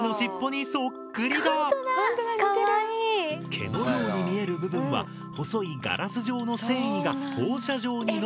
毛のように見える部分は細いガラス状の繊維が放射状に伸びたもの。